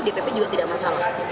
dpw juga tidak masalah